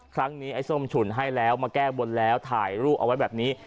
ไอ้ส้มฉุนให้แล้วมาแก้บนแล้วถ่ายรูปเอาไว้แบบนี้